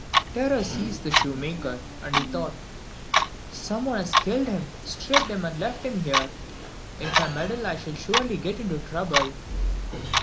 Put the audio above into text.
Terror seized the shoemaker, and he thought, "Some one has killed him, stripped him, and left him there. If I meddle I shall surely get into trouble."